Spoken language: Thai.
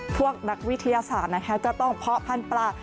พวกนักวิทยาศาสตร์นะคะก็ต้องเพาะพันธุ์ปลา